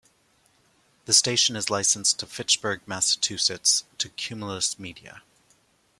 The station is licensed in Fitchburg, Massachusetts to Cumulus Media.